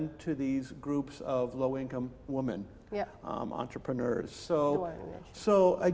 dan mereka bisa membeli uang ke grup perempuan yang berusaha rendah